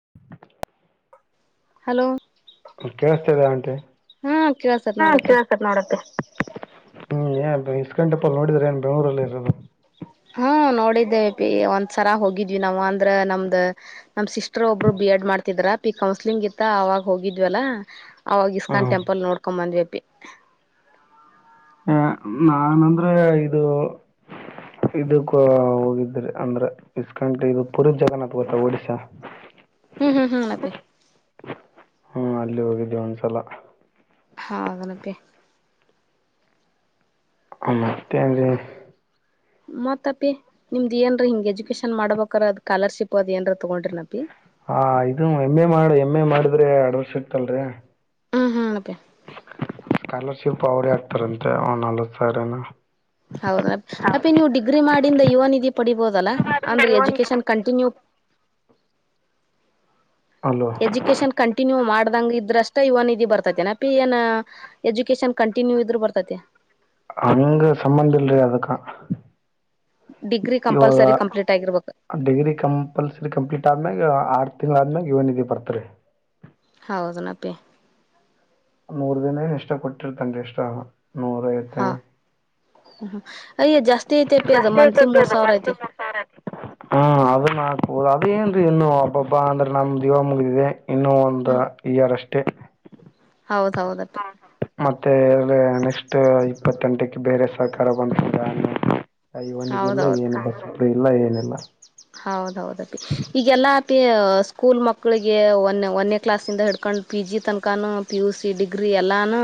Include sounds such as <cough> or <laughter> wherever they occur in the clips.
<inaudible> Hello ಕೇಳಳ್ಸ್ತದೆ ಆಂಟ ಹಾ ಕೇಳಸತ್ ಹ ನೋಡಪ್ಪಿ ಕೇಳಿಸ್ತಾಯಿದೆ ನೋಡಪ್ಪಿ. ಹ್ಮ್ ಏ ಇಸ್ ಗಂಟೆಪ್ಪ ನೋಡ್ರ ಏನ್ ಬೆಂಳೂರಲ್ಲಿ ಇರೋದು. ಹಾ ನೋಡಿದ್ದೇವಿ ಒಂದ್ಸರ ಹೋಗಿದ್ವಿ ನಾವ್ ಅಂದ್ರ ನಮ್ದ್ ನಮ್ ಸಿಸ್ಟ್ರ ಒಬ್ರು ಎಡ್ ಮಾಡ್ತಿದ್ರ ಅ ಪಿ ಕೌನ್ಸ್ಲಿಂಗ್ ಇರ್ ಅವಾಗ ಹೋಗಿದ್ವಲ್ಲ ಅವಾಗ ಇಸ್ಕಾನ್ ಹ್ಮ್ ಟೆಂಪಲ್ ನೋಡ್ಕೊಂಡ್ ಬಂದ್ವಿ ಅಪಿ. <inaudible> ಹ ನನ್ಂದ್ರೆ ಇದು ಇದಕ್ಕೂ ಹೋಗಿದ್ರಿ ಅಂದ್ರ ಇಸ್ಕಂ ಇದು ಪುರ್ ಜಗನ್ನಥ್ ಗೊತ್ತ ಒಡಿಶಾ ಹ್ಮ್ ಹ್ಮ್ ಹ್ಮಲ್ಲಪಿ ಹ್ಮ ಅಲ್ಲಿ ಹೋಗಿದ್ದೆ ಒಂದ್ಸಲ. ಹಾದನಪ ಮತ್ತೇನ್ರೀ ಮತ್ತಪಿ ನಿಮ್ದ್ ಏನ್ರಿ ಹಿಂಗ ಎಜುಕೇಶನ್ ಮಾಡ್ಬೇಕಾರ ಅದ್ ಕಾಲರ್ಶಿಪ್ ಅದ್ ಏನ್ ತಗೊಂಡ್ರಿನಪಿ ಹ ಇದು ಎಮ್ ಎ ಮಾಡ ಎಮ್ ಎ ಮಾಡಿದ್ರೆ ಅಡವ ಸಿಗ್ತಲ್ರಿ ಹಾ ಹಾ ಅಪ್ಪಿ ಸ್ಕಾಲರ್ಶಿಪ್ ಅವ್ರ ಆಗ್ತಾರಂತೆ ಅವ ನಲ್ವತ್ ಸರನ ಹೌದ ಅಪೇ ನೀವು ಡಿಗ್ರಿ ಮಾಡಿಂದ ಯುವ ನಿಧಿ ಪಡಿಬೋದಲ್ಲಾ ಅಂದ್ರೆ ಎಜುಕೇಶನ್ ಕಂಟಿನ್ಯೂ ಅಲ್ವ ಎಜುಕೇಶಷನ್ ಕಂಟಿನ್ಯೂ ಮಾಡ ಅದಂಗ ಇದ್ರಷ್ಟ ಇವನ್ ಇದಿ ಬರ್ತೈತೆನಪಿ ಏನ ಎಜುಕೇಶನ್ ಕಂಟಿನ್ಯೂ ಇದ್ರ ಬರ್ತೈತೆ ಅಂಗ ಸಂಬಂಧ ಇಲ್ರಿ ಅದಕ್ಕಾ ಡಿಗ್ರಿ ಇವಾಗ ಕಂಪಲ್ಸರಿ ಕಂಪ್ಲೀಟ್ ಆಗಿರ್ಬೇಕು ಡಿಗ್ರಿ ಕಂಪಲ್ಸರಿ ಕಂಪ್ಲೀಟ್ ಆದ್ಮ್ಯಾಗ ಆರ್. ತಿಂಗಳಾದ್ನಾಗ ಇವನ ಇದ ಬರ್ತರಿ. ಹೌದನಪ್ಪಿ ಮೂರು ದಿನ ಎಷ್ಟೋ ಕೊಟ್ಟಿರ್ತಾನ ರೀ ಇಷ್ಟ ಹಾ ಅಯ್ಯ ಜಾಸ್ತಿ ಐತೆಪಿ ಅದು ಮಂತ್ಲಿ <unintelligible> ತಿ ಮೂರ್ ಸಾವಿರ ಐತಿ ಆತ ಮಾ ಹೌದು ಅದೇ ಇನ್ನು ಹಬ್ಬ ಹಬ್ಬಾ ಅಂದ್ರೆ ನಮ ದೀವ ಮುಗಿದಿದೆ ಇನ್ನುೂ ಒಂದು ಹ್ಮ್ ಇಯರ್ ಅಷ್ಟೇ. ಹೌದ್ ಹೌದಪ್ಪಿ ಮತ್ತೆ ಅ್ರ ನೆಕ್ಸ್ಟ್ ಇಪ್ಪತ್ತೆಂಟಕ್ಕೆ ಬೇರೆ ಸರ್ಕಾರ ಬಂದ. ಯುವನಿಧೀ ಇಲ್ಲ ಹೌದೌದು ಏನಿಲ್ಲ <inaudible> <unintelligible> ಹೌದೌದಪಿ ಈಗೆಲ್ಲ ಸ್ಕೂಲ್ ಮಕ್ಳಿಗೆ ಒನ್ ಒನೇ ಕ್ಲಾಸ್ಂದ ಹಿಡ್ಕೊಂಡ್ ಪಿ ಜಿ ತನ್ಕಾನು ಪಿ ಯು ಸಿ ಡಿಗ್ರಿ. ಎಲ್ಲಾನು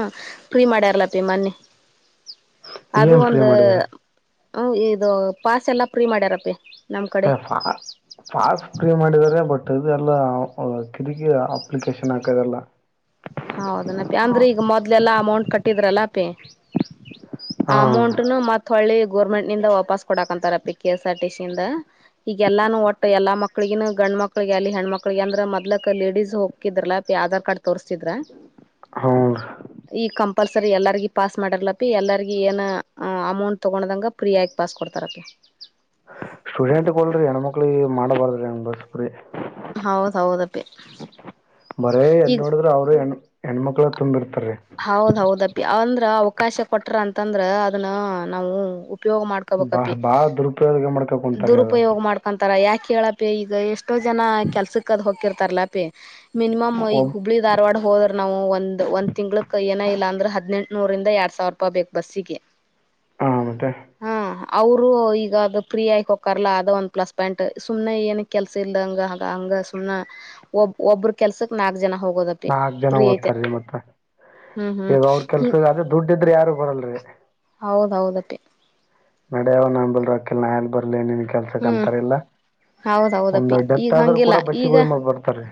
ಫ್ರೀ ಮಾಡ್ಯಾರ್ಲಪ್ಪಿ ಮನ್ನಿ. ಹ ಅದು ಒಂದ ಇದು ಪಾಸ್ ಎಲ್ಲಾ ಫ್ರೀ ಮಾಡ್ಯಾರಪ್ಪಿ. ನಮ್ ಕಡೆ ಹ ಫಾ ಫಾಸ್ಟ್ ಪ್ರೀ ಮಾಡ ಬಟ್ ಇದೆಲ್ಲ ಕಿರಿಕಿ ಅಪ್ಲಿಕೇಶನ್ ಹಾಕದೆಲ್ಲ ಹೌದನ ಪೆ ಅಂದ್ರೆ ಈಗ ಮೊದ್ಲೆಲ್ಲ ಅಮೌಂಟ್ ಕಟ್ಟಿದ್ರಲ್ಲ ಪೇ ಹಾ ಅಮೌಂಟ್ನು ಮತ್ ಹೊಳ್ಳಿ ಗೋರ್ಮೆಂಟ್ ನಿಂದ ವಾಪಾಸ್ ಕೊಡಾಕ್ಂತಾರ P K S R TC ಇಂದ ಈಗಗೆಲ್ಲಾನು ಒಟ್ಟ ಎಲ್ಲಾ ಮಕ್ಳಗನು ಗಂಡ ಮಕ್ಳಿಗೆ ಅಲ್ಲಿ ಹೆಣ್ಮ ಮಕ್ಳಿಗೆ ಅಂದ್ರ ಮೊದ್ಲಕ್ ಲೇಡೀಸ್ ಹೋಗಕ್ಕಿದ್ರಲ್ಲಾ ಆಧಾರ್ ಕಾರ್ಡ್ ತೋರಿಸ್ತಿದ್ರಾ ಹ್ಮ ಪಲ್ಸರಿ ಎಲ್ಲರಿಗ ಪಾಸ್ ಮಾಡಿರ್ಲಪ್ಪ ಎಲ್ಲರಿಗ ಏನು ಅಮೌಂಟ್ ತೊಗೊಂಡದಂಗೆ ಫ್ರೀಯಾಗಿ ಪಾಸ್ ಕೊಡ್ತಾರಪ್ಪಿ ಹ ಬಸ್ಪ್ರೆ <inaudible> ಹೌದ ಹೌದಪ್ಪಿ ಬರೇ ಎಲ್ಲಿ ಈಗ ನೋಡಿದ್ರೆ ಅವ್ರ ಹೆಣ ಹೆಣ್ಮಕ್ಳ ತುಂಬಿರ್ತಾರೆ ಹೌದ ಹೌದಪ್ಪಿ ಅವಂದ್ರ ಅವಕಾಶ ಕೊಟ್ರ ಅಂತಂದ್ರ ಅದನ್ನ ನಾವು ಉಪಯೋಗ ಬಾ ಮಾಡ್ಕೋಬೇಕಪಿ ಬಾಳ ದುರುಪಯೋಗ ಮಾಡ್ಕೊಂಡ್ ಕುಂತಾರಿ ಅದ ದುರುಪಯೋಗ ಮಾಡ್ಕೊಂತರ ಯಾಕೆ ಕೇಳಪಿ ಈಗ ಎಷ್ಟೋ ಜನ ಕೆಲ್ಸಕ್ ಅದ್ ಹಕಿರ್ತಾರಲಪಿ ಮಿನಿಮಮ್ ಈಗ ಒಬ್ ಹುಬ್ಬಳಿ ಧಾರವಾಡ ಹೋದ್ರ ನಾವು ಒಂದ್ ಒಂದ ಕ ಏನ ಇಲ್ಲ ಅಂದ್ರೆ ಹದಿನೆಂಟುನೂರಿಂದ ಎರಡ್ ಸಾವಿರ ರೂಪಾಯಿ ಬೇಕ ಬಸ್ಸಿಗೆ ಹ ಮತ್ತೆ ಹಾ ಅವರು ಈಗ ಅದು ಪ್ರಿಯ ಇಕ್ ಹಕಾರ್ಲ್ಲ ಅದ ಒನ್ ಪ್ಲಸ್ ಪಾಯಿಂಟ್ ಸುಮನೆ ಏನ ಕೆಲ್ಸ ಇಲ್ದಂಗ ಹಂಗ ಸುಮ್ ಒಬ್ ಒಬ್ಬ್ರ ಕೆಲ್ಸಕ್ ನಾಲ್ಕ್ ಜನ ಹೋಗೋದಪ್ಪಿ ನಾಕ್ ಜನ ಫ್ರೀ ಐತೆ ಓದ್ತಾರೀ ಮತ್ತ ಹ್ಮ್ ಹ್ಮ್ ಈಗ ಅವ್ರ ಹಿ ಕೆಲ್ಸಗ ಅದ ದುಡ್ದ್ರೆ ಯಾರು ಬರಲ್ರಿ ಹೌದು ಹೌದಪ್ಪಿ ನಡೆಯಾವ ನಂಬಲ್ ರಾಕ ನ ಆಲ್ ಬರ್ಲ ನಿ ಕೆಲ್ಸಕ್ಕೆ ಹ್ಮ್ ಅಂತಾರ ಇಲ್ಲ ಹೌದೌದಪ್ಪಿ ಒಂದ ಈಗ ಡೆತ್ ಆದ್ರರು ಹಂಗಿಲ್ಲ ಕೂಡ ಬಸ್ಸಿಗೆ ಈಗ ಹೋಯಿ ಮಾಡ ಬರ್ತಾರೆ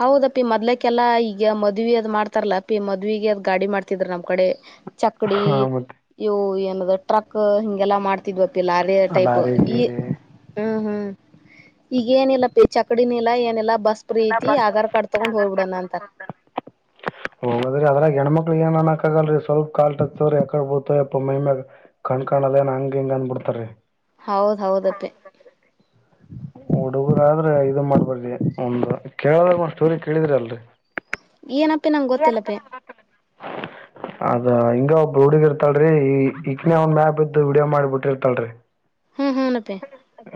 ಹೌದಪ್ಪಿ ಮದ್ಲಕ್ಕೆಲ್ಲಾ ಈಗ ಮದ್ ಅದ್ ಮಾಡ್ತಾರಲ್ಲಪಿ ಮದ್ಗೆ ಅದ್ ಗಾಡಿ ಮಾಡ್ತಿದ್ರ ನಮ್ ಕಡೆ ಚಕಡಿ ಹಾ ಮತ್ತೆ ಇವು ಏನದ ಟ್ರಕ್ ಹಿಂಗೆಲ್ಲಾ ಮಾಡ್ತ ಇದು ಲಾರಿ ಟೈಪ್ ಲಾರಿ ಈ ಗೀರಿ ಹ್ಮ್ ಹ್ಮ್ ಈಗ ಏನಿಲ್ಲ ಅಪೂ ಕಡಿನ ಎಲ್ಲ ಏನೆಲ್ಲ ಬಸ್ಪ್ರಿ ಆಧಾರ್ ಕಾರ್ಡ್ ತಗೊಂಡ್ ಹೋಗ್ಬಿಡ ನಂತರ್ ಹೋಗದ್ರಿ ಅದ್ರಾಗ ಹೆಣ್ಮಕ್ಳಿಗೆ ಏನ್ ಅನ್ಕ್ಕಗಲ್ರಿ ಸ್ವಲ್ಪ ಕಾಲ್ಟತ್ತತವರಿ ಯಕ ಬಪ್ಪ ಮೈಮ ಕಾಣಲ್ಲನ್ ಹಂಗ ಹಂಗ ಅನ್ಬಿಡ್ತ ತ್ತ ಹೌದ ಹೌದಪ್ಪೆ ಹುಡುಗರ ಆದ್ರೆ ಇದದು ಮಾಡ್ಬಾರಿ ಒಂದು ಕೇಳದಾಗ ಒಂದ್ ಸ್ಟೋರಿ ಕೇಳಿದ್ರಿ ಅಲ್ರರಿ ಏನಪ್ಪಿ ನಂಗೆ ಗೊತ್ತಿಲ್ಲಪ್ಪೇ ಹ ಅದ ಹಿಂಗ ಒಬ್ ಹುಡುಗಿರ್ತಾಳರರಿ ಈಗನ ಒಂದ್ ಮ್ಯಾಪ್ ಇದ್ದ ವಿಡಿಯೋ ಮಾಡಿಬಿಟ್ಟಿರ್ತಾಳರಿ ಹ್ಮ್ ಹ್ಮ ಮತ್ತೆ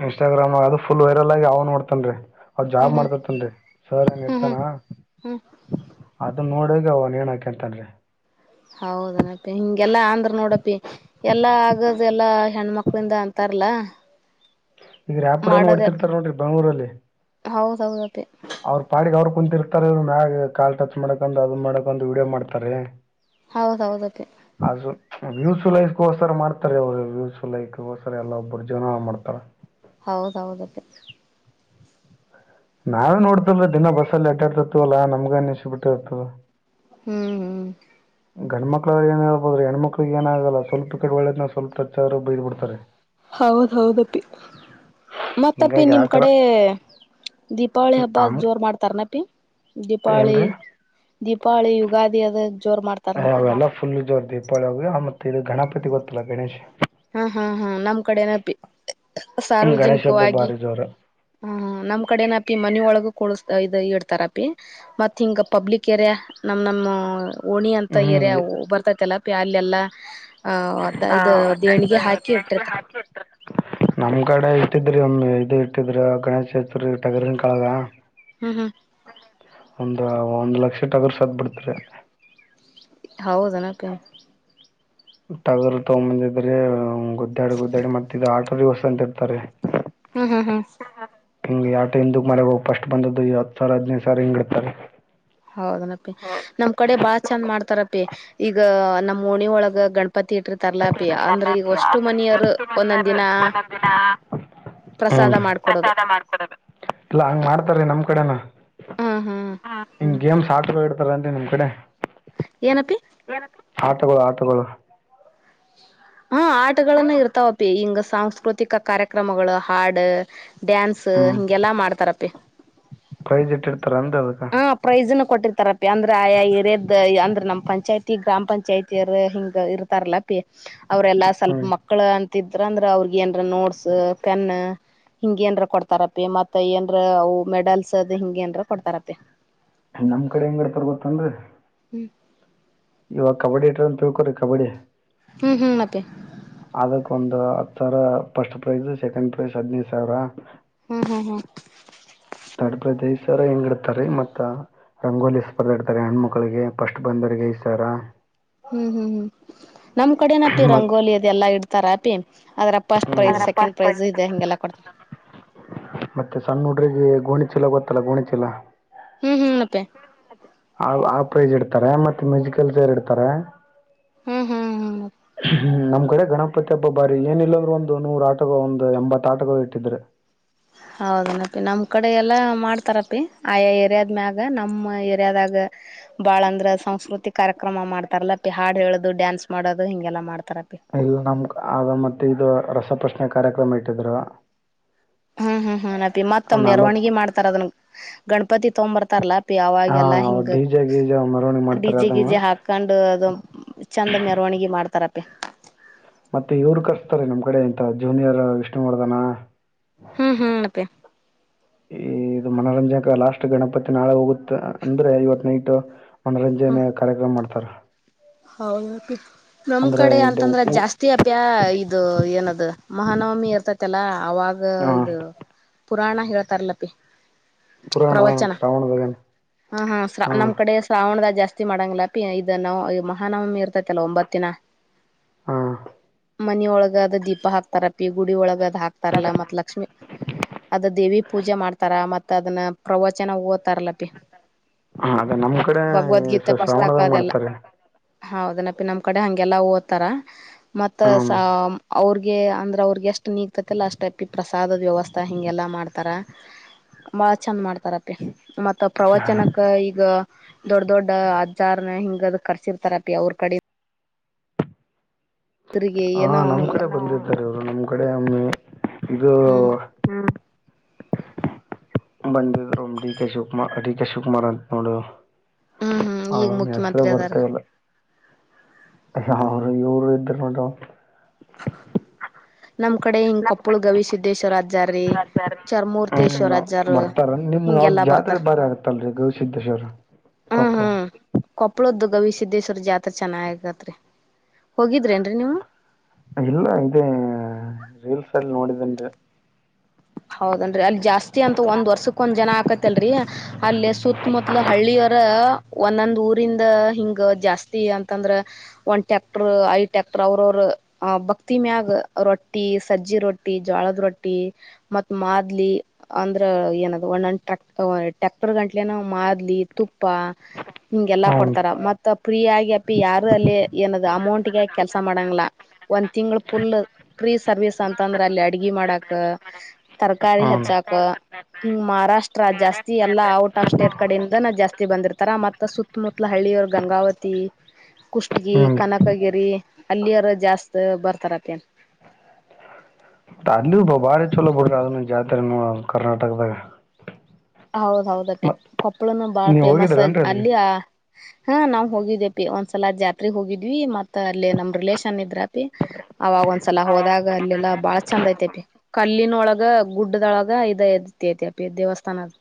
ಇನ್ಸ್ಟಾಗ್ರಾಮ್ ಅಲ್ ವೈರಲ್ ಆಗ ಅವ್ ನೋಡ್ತನ್ ರೀ ಅವ ಜಾಬ್ ಹ್ಮ್ ಹ್ಮ್ ಮಾಡ್ತಾರತನ್ರಿ ಸರ್ ಹೆಂಗ ಹ್ಮ್ ಇರ್ತಾನ ಹ್ಮ್ ಹ್ಮ್ ಅದ ನೋಡ ಈಗ ಅವ ಏನ್ಕೆಂತನ್ರಿ ಹೌದನಪಿ ಹಿಂಗೆಲ್ಲಾ ಅಂದ್ರ ನೋಡಪಿ ಎಲ್ಲಾ ಆಗದ ಎಲ್ಲಾ ಹೆಣ್ಮಕ್ಳಿಂದ ಅಂತ ಬರ್ಲ ಈಗ ರ್ಯಾಪ್ ಡೌನ್ ಹೊಡ್ತಿರ್ತಾರ ನೋಡ್ರರಿ ಬಂಗಳೂರಲ್ಲಿ ಹೌದ್ ಹೌದಪ್ಪಿ ಅವ್ರ್ ಪಾಡಿಗೆ ಅವ್ರರು ಕುಂತಿರ್ತಾರೆ ಮ್ಯಾಗ ಕಾಲ್ ಟಚ್ ಮಾಡಕಂದ್ ಅದ್ ಮಾಡಕಂದು ವಡಿಯೋ ಮಾಡ್ತಾರೆ ಹೌದೌದಕೆ ವ್ಯೂಸುಲೈಸ್ಗೋಸರ ಮಾಡ್ತಾರೆ ಅವರು ವ್ಯೂಸುಲೈಕ್ಗೋಸರ ಎಲ್ಲ ಒಬ್ಬರು ಜೀವನ ಮಾಡ್ತಾರೆ ಹೌದು ಹೌದು ಅಪ್ಪಿ ನಾವೇ ನೋಡ್ತಿ ವಲ್ಲ ದಿನಾ ಬಸ್ಸಲ್ಲಿ ಆಟಾಡ್ತಿತವಲ್ಲಾ ನಮ್ಗ ಅನ್ನಿಸಿ ಬಿಟ್ಟಿ ರುತದ ಹ್ಮ್ ಹ್ಮ್ ಗಂಡ್ಮ ಕ್ಕಳಿಗಿ ಏನ್ ಹೇಳಬಹುದು ಹೆಣ್ಮಕ್ಳಿಗೆ ಏನಾಗಲ್ಲ ಸ್ವಲ್ಪ ಈಕಡೆ ಒಳ್ಳೇದ್ ಸ್ವಲ್ಪ ಟಚ್ಚ ಆದರೆ ಬೈದಬಿಡ್ತಾರೆ ಹೌದ ಹೌದಪ್ಪಿ ಮತ್ತಪ್ಪಿ ಹಿಂಗಾಗಿ ನಿಮ್ ಆಕರ ಕಡೆ ದೀಪಾವಳಿ ಹಬ್ಬದ ಆಮ್ ಜೋರ್ ಮಾಡ್ತಾರನ ಅಪಿ ದೀಪಾವಳಿ ಏನ್ರಿ ದೀಪಾವಳಿ ಯುಗಾದಿ ಅದುದ ಅಯ ಅವೆಲ್ಲಾ ಫುಲ್ ಜೋರ ದೀಪಳಿ ವ್ ಮತ್ತೆ ಇದು ಗಣಪತಿ ಗೊತ್ತಲ್ಲ ಗಣೇಶ್ ಹಾ ಹಾ ಹಾ ನಮ್ಮ್ ಕಡೆನಪಿ ಗಣೇಶ ಹಬ್ಬ ಸಾರ್ವಜನಿಕವಾಗಿ ಭಾರಿ ಜೋರ ಹ ನಮ್ ಕಡೆ ನೂ ಅಪ್ಪಿ ಮನಿ ಒಳಗು ಇ ಕೊಡುಸುತ್ತಾರ ಇಡ್ತುರ ಅಪಿ ಮತ್ತ ಹಿಂಗ ಪಬ್ಲಿಕ್ ಏರಿಯಾ ನಮ್ ನಮ್ಮ ಓಣಿ ಅಂತ ಹ್ಮ್ ಏರಿಯಾ ಬರ್ತೈತಲ್ಲ ಅಪಿ ಅಲ್ಲಿ ಎಲ್ಲಾ ಇದು ಹ ನಮ್ ಕಡೆ ಇಟ್ಟಿದ್ರಿ ಒಮ್ಮಿ ಇದು ಇಟ್ಟಿದ್ರ ಗಣೇಶ ಚತುರ್ಥಿಟಗ್ರನ್ ಕಾಲ್ ಹ್ಮ್ ಹ್ಮ್ ಒಂದ ಒಂದು ಲಕ್ಷದ ಟಗರ್ ಸತ್ತ್ ಬಿಡ್ತರಿ ಹೌದುನ ಅಪ್ಪಿ ಟಗರ್ ತಗೊಂಬಂದಿದ್ರೆ ಗುದ್ದಾಡಿ ಗುದ್ದಾಡಿ ಮತ್ತ ಇದು ಆಟೋ ಅವಸ್ ಅಂತ ಇರ್ತಾರಿ ಹ್ಮ್ ಹ್ಮ್ ಹ್ಮ್ ಹಿಂಗೆ ಆಟೋ ಹಿಂದಕ್ ಮಾಡ್ಯಾರೊ ಹೋ ಫಸ್ಟ್ ಬಂದದ್ದು ಇ ಹತ್ತುಸಾವಿರ ಹದಿನೈದು ಸಾವರ ಹಿಂಗಇಡ್ತಾರೊ ಹೌದನಪ್ಪಿ ನಮ್ ಕಡೆ ಬಾಳ ಚಂದ ಮಾಡ್ತಾರಪಿ ಈಗ ನಮ್ ಓಣಿ ಒಳಗ ಗಣ ಇಪ್ಪತ್ತ ಇಟ್ರತರ್ಲಾ ಅಪ್ಪಿ ಅಂದ್ರೆ ಈಗ ಹೊಷ್ಟು ಮನಿಯವರು ಒಂದೊಂದ್ ದಿನ ಪ್ರಸಾದ ಮಾಡ್ಕೊಡೋದು ಕಳಸ್ಸ ಮಾಡ ಇಲ್ಲಾ ಹಂಗ್ ಮಾಡ್ತಾರೀ ನಮ್ ಕಡೆನ ಹ್ಮ್ ಹ್ಮ್ ಹೀಂಗ ಗೇಮ್ಸ್ ಆಟ ಅದು ಇಡ್ತಾರನ್ರಿ ನಿಮ್ ಕಡೆ ಏನಪ್ಪಿ ಆಟಗಳು ಆಟಗಳು ಹಾ ಆಟಗಳನ್ನ ಇರ್ತಾವ ಅಪಿ ಹಿಂಗ ಸಾಂಸ್ಕೃತಿಕ ಕಾರ್ಯಕ್ರಮಗಳು ಹಾಡ ಡ್ಯಾನ್ಸ್ ಹಿಂಗೆಲ್ಲಾ ಮಾಡ್ತಾರಪ್ಪಿ ಪ್ರೈಜ್ ಇಟ್ಟಿಡ್ತಾರ ಡ್ರಿ ಅದಕ್ಕ ಕೊಟ್ಟಿರ್ತಾರಪ್ಪ ಅಂದ್ರ ಆ ಏರಿಯಾದ್ ಅಂದ್ರೆ ನಮ್ಮ ಪಂಚಾಯಿತಿ ಗ್ರಾಮ ಪಂಚಾಯತಿಯರು ಹಿಂಗ ಇರ್ತಾರಲ್ಲ ಅವ್ರೆಲ್ಲಾ ಸ್ವಲ್ಪ ಹ್ಞೂ ಮಕ್ಕಳ ಅಂತಿದ್ರ ಅಂದ್ರ ಅವ್ರಗ ಏನ್ರ ನೋಟ್ಸ್ ಪೆನ್ ಹಿಂಗೇಏನ್ರ ಕೊಡ್ತಾರ ಅಪಿ ಮತ್ತ ಏನ್ರ ಅವು ಮೆಡಲ್ಸ್ ಅದ ಹಿಂಗೇಏನ್ರ ಕೊಡ್ತಾರ ಅಪಿ ನಮ್ ಕಡೆ ಹೆಂಗಡ ರರ್ಗೊತ್ತನ್ರಿ ಹ್ಮ್ ಇವಾಗ ಕಬಡ್ಡಿ ಇಟ್ರ ಅಂತ ತಿಳ್ಕೊರಿ ಕಬಡ್ಡಿ ಹ್ಮ್ ಹ್ಮ್ ಅಪ್ಪಿ ಅದಕ್ ಒಂದು ಹತ್ತು ಸಾವಿರ ಫಸ್ಟ್ ಪ್ರೈಜ ಸೆಕೆಂಡ್ ಪ್ರೈಸ್ ಹದಿನೈದ ಸಾವಿರ ಹ್ಮ್ ಹ್ಮ್ ಹ್ಮ್ ತಡಪತಿ ಸರ್ ಹೆಂಗಿಡ್ತಾರಿ ಮತ್ತ ರಂಗೋಲಿ ಸ್ಪರ್ಧೆ ಇಡ್ತಾರೆ ಹೆಣುಮಕ್ಳಿಗೆ ಫಸ್ಟ್ ಬಂದರಿಗೆ ಈ ಸರ್ ಹ್ಮ್ ಹ್ಮ್ ಹ್ಮ್ ನಮ್ ಕಡೆನ ಅಪಿ ಮತ್ತು ರಂಗೋಲಿ ಅದೆಲ್ಲಾ ಇಡ್ತಾರ ಅಪಿ ಆದರ ಫಸ್ಟ್ ಪ್ರೈಜ ಸೆಕೆಂಡ್ ಪ್ರೈಜ ಇದೆ ಹಿಂಗೆಲ್ಲಾ ಕೊಡ್ತಾರ ಗೊಣಿ ಚೀಲ ಗೊತ್ತಲ್ಲ ಗೊಣಿ ಚೀಲ ಹ್ಮ ಅಪ್ಯಾ ಆ ಆ ಪ್ರೈಜ್ ಇಡ್ತಾರೆ ಮತ್ತೆ ಮ್ಯೂಜಿಕಲ್ ಚೇರ್ ಇಡ್ತಾರೆ ಹ್ಮ್ ಹ್ಮ್ ಹ್ಮ್ ಹ್ಮ ನಮ್ಮ ನಮ್ಮಕಡೆ ಗಣಪತಿ ಹಬ್ಬ ಬಾರಿ ಏನಿಲ್ಲಾಂದ್ರರು ಒಂದು ನೂರ ಆಟಗಳು ಒಂದು ಎಂಬತ್ ಆಟಗಳು ಇಟ್ಟಿದ್ರ ಹೌದನಪಿ ನಮ್ ಕಡೆ ಎಲ್ಲಾ ಮಾಡ್ತಾರಪಿ ಆಯಾ ಏರಿಯಾದ್ಮ್ಯಾಗ ನಮ್ಮ್ ಏರಿಯಾದಾಗ ಬಾಳ ಅಂದ್ರ ಸಂಸ್ಕೃತಿ ಕಾರ್ಯಕ್ರಮ ಮಾಡ್ತಾರಲ್ಲ ಅಪ್ಪಿ ಹಾಡು ಹೇಳೋದು ಡ್ಯಾನ್ಸ್ ಮಾಡೋದು ಹಿಂಗೆಲ್ಲ ಮಾಡ್ತಾರ ಇಲ್ಲ ನಮ ಅ ಮತ್ತೆ ಇದು ರಸಪಶ್ನೆ ಕಾರ್ಯಕ್ರಮ ಇಟ್ಟಿದ್ರು ಹ್ಮ್ ಹ್ಮ್ ಹ್ಮ ಅಪಿ ಮತ್ತ ಮೆರವಣಗಿ ನಲ್ವತ್ತು ಮಾಡ್ತಾರ ಅದನ್ ಗಣಪತಿ ತಗ್ ಬರ್ತಾರಲ್ಲಾ ಅಪಿ ಹಾ ಅವಾಗೆಲ್ಲ ಜಾಗಗೆ ಮ ಡಿಜ್ಜೆ ಗಿಜ್ಜೆ ಹಾಕೊಂಡು ಅದು ಚಂದ ಮೆರವಣಿಗೆ ಮಾಡ್ತಾರಪ ಅ ಜೂನಿಯರ್ ಇಷ್ಟ ಮಾಡ್ದಾನ ಹ್ಮ್ ಹ್ಮ್ ಅತ್ತೆ ಈ ಇದು ಮನೋರಂಜನೆ ಲಾಸ್ಟ್ ಗಣಪತಿ ನಾಳೆ ಹೋಗುತ್ತ ಅಂದ್ರೆ ಐವತ್ ನೈಟ್ ಮನೋರಂಜನೆೆಯ ಕಾರ್ಯಕ್ರಮ ಮಾಡ್ತಾರೆ ಹೌದ ನಮ್ ಅಂದರೆ ಕಡೆ ಅಂತಂದ್ರೆ ಜಾಸ್ತಿ ಅಪ ಇದು ಏನದು ಮಹಾನವಮಿ ಇರ್ತೈತಿಲ್ಲ ಅವಾಗ ಹಾಂ ಇದು ಪುರಾಣ ಹಿಳತರ್ಲಪಿ ಪುರಾಣ ಪ್ರವಚನ ಶ್ರಾವಣದಾಗ ಹ ಹಾ ನಮ್ ಕಡೆ ಶ್ರಾವಣ್ದ ಜಾಸ್ತಿ ಜಾಸ್ತಿ ಮಾಡಂಗಿಲ್ಲ ಪಿ ಇ ನವ ಮಹಾನವಮಿ ಇರ್ತೈತಲ್ಲ ಒಂಬತ್ತಿನ ಹಾ ಮನ ಒಳಗ ಅದ ದೀಪ ಹಾಕ್ತಾರ ಪಿ ಗುಡಿ ಒಳಗ ಅದ್ ಹಾಕ್ತಾರಲ್ಲ ಮತ್ ಲಕ್ಷ್ಮೀ ಅದ ದೇವಿ ಪೂಜೆ ಮಾಡ್ತಾರ ಮತ್ತತ್ ಅದನ್ನ ಪ್ರವಚನ ಓದ್ತರಲ್ ಅಪ್ಪಿ ಹ ಅದ ನಮ್ ಕಡೆ ಶ್ರಾವಣದಾಗ ಮಾಡ್ತಾರೆ ಹೌದನಪ್ಪಿ ನಮ್ ಕಡೆ ಹಗೆಲ್ಲಾ ಓದತಾರ ಮತ್ತ ಹ್ಮ ಅವ್ರಿಗೆ ಅಂದರೆ ಅವ್ರಿಗೆ ಎಷ್ಟು ನೀಗ್ತೈತಿಲ್ಲ ಅಷ್ಟು ಅಪ್ಪಿ ಪ್ರಸಾದದ ವ್ಯವಸ್ಥೆ ಹೀಂಗೆಲ್ಲ ಮಾಡ್ತಾರೆ ಬಹಳ ಚಂದ ಮಾಡ್ತಾರಪ್ಪಿ ಮತ್ತ ಪ್ರವಚನಕ್ಕ ಈಗ ದೊಡ್ ದೊಡ್ಡ ಅ್ರ್ನ ಹಿಂಗದ ಕರ್ಸಿರ್ತ ಮಾಡ್ತಾರೆ ಅಪ್ಪಿ ಅವ್ರ ಕಡೆ ಅವರಿಗೆ ಹಾ ಏನೋ ನಮ್ ಹಂಗ ಕಡೆ ಬಂದಿದ್ದಾರೆ ಇವ್ರು ನಮ್ ಕಡೆ ಒಮ್ಮೆ ಇದು ಹ್ಮ್ ಬಂದಿದ್ರು ಒ D K Shivakumar D K Shivakumar ಅಂತ ನೋಡು ಹ್ಮ್ ಹ್ಮ್ ಹ ಈಗ ಹೆಸರು ಮುಖ್ಯಮಂತ್ರಿ ಬರ್ತ ಅದಾರ ಇಲ್ಲ ಹರು ಯರು ಇರ ಮಾದ ನಮ್ ಕಡೆ ಹಿಂಗ ಕೊಪ್ಪಳ ಗವಿ ಸಿದ್ದೇಶ್ವರ್ ಜಾರೀ ಚರ್ಮೂರ್ತೇಶ್ ಹ್ಮ ಬರ್ತಾರ ನಿಮ್ ಅವ ಜಾತ್ರೆ ಬಾರಿ ಆಗತ್ತಲ್ರರಿ ಗೌ ಸಿದ್ದೇಶ್ವರ ಹ್ಮ್ ಕಪ್ಪ ಹ್ಮ್ ಕೊಪ್ಪಳದ್ದು ಗವಿಸಿದ್ದೇಶ್ವರ ಜಾತ್ರೆ ಚೆನ್ನಾಗಗತ್ರಿ ಹೋಗಿದ್ರಿ ನ್ ನೀವು ಇಲ್ಲ ಇದೇ ರೀಲ್ಸ್ ಎಲ್ಲಿ ನೋಡಿದೇನ್ರಿ ಹೌದನ್ರಿ ಅಲ್ಲಿ ಜಾಸ್ತಿ ಅಂತ ಒಂದ್ ವರ್ಷಕ್ ಒಂದ್ ಜನ ಆಕತ್ತ ಲ್ರಿ ಅಲ್ಲಿ ಸುತ್ತ ಮತ್ಲ ಹಳ್ಳಿಯರ ಒಂದೊಂದ್ ಊರಿಂದ ಹಿಂಗ ಜಾಸ್ತಿ ಅಂತಂದ್ರ ಒಂದ್ ಟ್ಯಾಕ್ಟರ್ ಐದ್ ಟ್ಯಾಕ್ಟರ್ ಅವ್ರವರು ಭಕ್ತಿ ಮ್ಯಾಗ ರೊಟ್ಟಿ ಸಜ್ಜಿ ರೊಟ್ಟಿ ಜಳದ ರೊಟ್ಟಿ ಮ ಮಾದ್ಲಿ ಅಂದ್ರ ಏನ ಒಕ್ ಟ್ರ್ಯಾಕ್ಟರ್ ಗಂಟ್ಲೆನ ಮಾದ್ಲಿ ತುಪ್ಪ ಹಿಂಗೆಲ್ಲಾ ಹ್ನ್ ಕೊಡ್ತಾರ ಮತ್ತ ಫ್ರೀ ಆಗಿ ಅ ಯಾರು ಅಲ್ಲಿ ಏನ ಅಮೌಂಟ್ಗೆ ಕೆಲ್ಸ ಮಾಡ ಮಾಡಂಗ ಒಂದ್ ತಿಂಗಳ ಫುಲ್ ಸರ್ವಿಸ್ ಅಂತಂದ್ರೆ ಅಲ್ಲಿ ಅಡ್ಗ ಮಾಡಕ್ ತರಕಾರಿ ಹ್ನ್ ಹೆಚ್ಚಾಕ ಹಿಂಗ್ ಮಹಾರಾಷ್ಟ್ರ ಜಾಸ್ತಿ ಎಲ್ಲಾ ಔಟ್ ಆಫ್ ಸ್ಟೇಟ್ ಕಡೆಯಿಂದ ಜಾಸ್ತಿ ಬಂದಿರ್ತಾರ ಮತ್ತತ್ ಸುತ್ತಮುತ್ತಲ ಅವ ಗಂಗಾವತಿ ಕುಷ್ಟಗಿ ಹ್ಮ್ ಕನಕಗಿರಿ ಅಲ್ಲಿಯರ ಜಾಸ್ತ್ ಬರ್ತಾರತಿ ಮ ಅಲ್ಲಿ ಬಾರಿ ಚಲೋ ಬಿಡ ಅದು ಜಾತ್ರೆ ಕರ್ನಾಟಕದಾಗ ಹೌದ್ದತಿ ಮತ್ ಕೊಪ್ಪಳನು ಬಾಳ ನೀವ್ ಫೇಮಸ್ ಹೋಗಿದ್ರೇನ್ರಿ ಅಲ್ಲಿಗೆ ಅಲ್ಲಿ ಹಾ ನಾವ್ ಹೋಗಿದೇಪಿ ಒಂದ್ಸಲ ಜಾತ್ರೆ ಹೋಗಿದ್ವಿ ಮತ್ತತ್ ಅಲ್ಲಿೇ ನಮ್ ರಿಲೇೇಶನ್ ಇದ್ರಪಿ ಅವಾಗ ಒಂದ್ಸಲ ಹೋದಾಗ ಅಲ್ಲೆಲ್ಲಾ ಬಾಳ ಚಂದ ಐತೆತಿ ಕಲ್ಲಿನೊಳಗ ಗುಡ್ಡದೊಳಗ ಇದ ಪೇ ದೇವಸ್ಥಾನತ್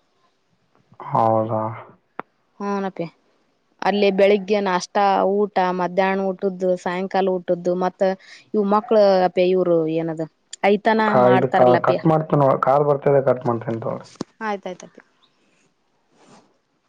ಹೌದಾ ಹನಪೇ ಅಲ್ಲಿ ಬೆಳಿಗ್ಗೆ ನ ಅಷ್ಟ ಊಟ ಮಧ್ಯಾಹ್ನ ಊಟದ್ದು ಸಾಯಂಕಾಲ ಊಟದ್ದು ಮತ್ತ ಇವು ಮಕ್ಳ ಅಪೆ ಇವ್ರು ಏನದ ಐತಾನ ಕಾ ಇ ಕಾ ಮಾಡ್ತಾರಲ್ಲಪಿ ಕಟ್ ಮಾಡ್ತೀ ಕಾಲ್ ಬರ್ತಿದೆ ಕಟ್ ಮಾಡ್ತನಂತೋಳ ತದಪ್ಪ